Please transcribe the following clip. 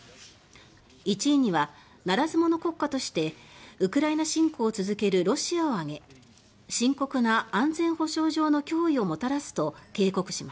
１位には「ならず者国家」としてウクライナ侵攻を続けるロシアを挙げ「深刻な安全保障上の脅威をもたらす」と警告しました。